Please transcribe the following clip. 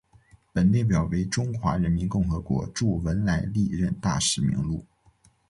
本列表为中华人民共和国驻文莱历任大使名录。